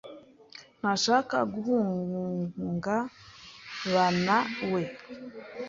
ntashaka guhungabanawe.